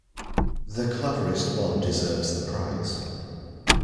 The cleverest one deserves the prize.